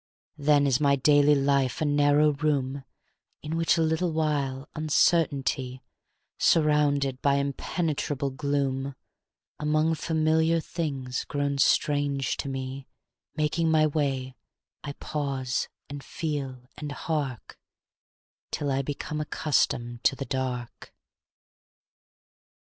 Then is my daily life a narrow room In which a little while, uncertainly, Surrounded by impenetrable gloom, Among familiar things grown strange to me Making my way, I pause, and feel, and hark, Till I become accustomed to the dark.